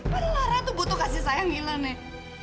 padahal lara tuh butuh kasih sayang nila nek